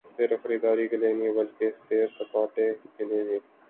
صرف خریداری کیلئے نہیں بلکہ سیر سپاٹے کیلئے بھی۔